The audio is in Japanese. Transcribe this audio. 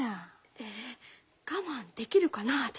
え我慢できるかな私。